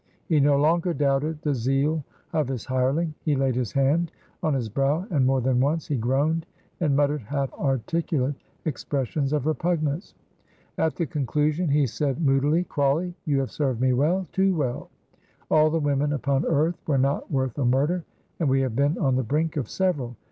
He no longer doubted the zeal of his hireling. He laid his hand on his brow and more than once he groaned and muttered half articulate expressions of repugnance. At the conclusion he said moodily: "Crawley, you have served me well too well! All the women upon earth were not worth a murder, and we have been on the brink of several.